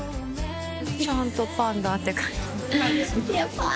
ちゃんとパンダって。